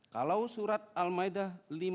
kalau surat al ma'idah lima puluh satu